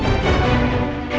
lo mau kemana